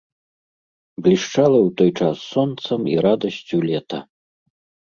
Блішчала ў той час сонцам і радасцю лета.